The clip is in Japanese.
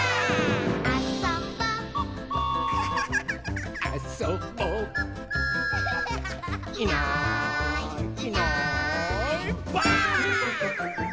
「あそぼ」「あそぼ」「いないいないばあっ！」